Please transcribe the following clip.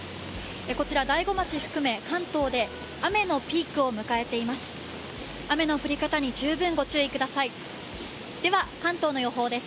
こちら大子町を含め関東で雨のピークを迎えています。